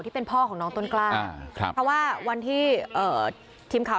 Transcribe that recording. ที่เป็นพ่อของน้องต้นกล้าครับเพราะว่าวันที่เอ่อทีมข่าว